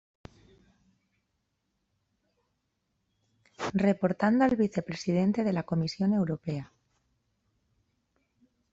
Reportando al vicepresidente de la Comisión Europea.